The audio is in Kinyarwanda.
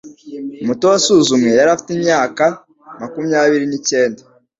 umuto wasuzumwe yari afite imyaka makumyabiri n,icyenda